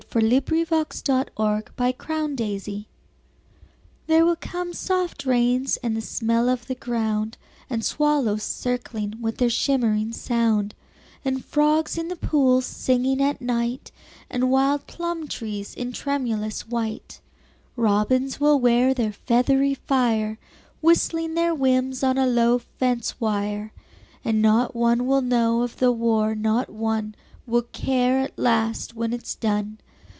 VIII "There Will Come Soft Rains" (War Time) There will come soft rains and the smell of the ground, And swallows circling with their shimmering sound; And frogs in the pools singing at night, And wild plum trees in tremulous white; Robins will wear their feathery fire Whistling their whims on a low fence wire; And not one will know of the war, not one Will care at last when it is done.